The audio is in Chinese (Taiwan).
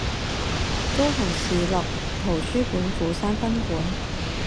高雄市立圖書館鼓山分館